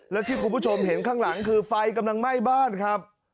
และที่คุณผู้ชมเห็นข้างหลังคือไฟกำลังไหม้บ้านครับ